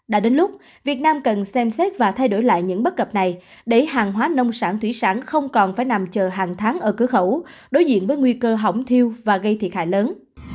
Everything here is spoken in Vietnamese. đã đến lúc việt nam cần xem xét và thay đổi lại những bất cập này để hàng hóa nông sản thủy sản không còn phải nằm chờ hàng tháng ở cửa khẩu đối diện với nguy cơ hỏng thiêu và gây thiệt hại lớn